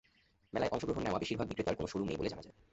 মেলায় অংশ নেওয়া বেশির ভাগ বিক্রেতার কোনো শোরুম নেই বলে জানা যায়।